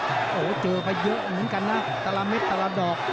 โอ้โหเจอไปเยอะเหมือนกันนะแต่ละเม็ดแต่ละดอก